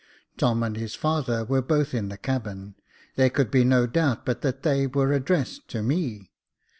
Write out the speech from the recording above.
Tom and his father were both in the cabin ; there could be no doubt but that they were addressed to me.